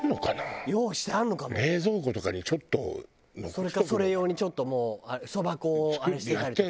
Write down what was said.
それかそれ用にちょっともうそば粉をあれしてたりとか。